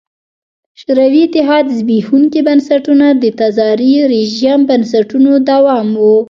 شوروي اتحاد زبېښونکي بنسټونه د تزاري رژیم بنسټونو دوام و.